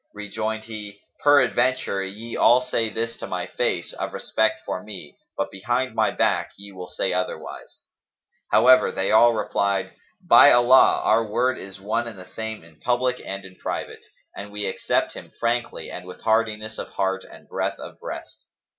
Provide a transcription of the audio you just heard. Rejoined he "Peradventure ye all say this to my face, of respect for me; but behind my back ye will say otherwise." However, they all replied, "By Allah, our word is one and the same in public and in private, and we accept him frankly and with heartiness of heart and breadth of breast."